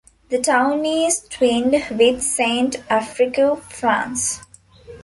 The town is twinned with Saint Affrique, France.